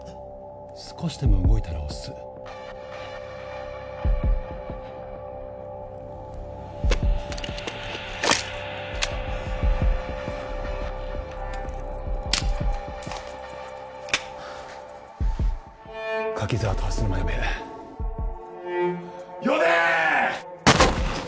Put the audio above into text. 少しでも動いたら押す柿沢と蓮沼呼べ呼べー！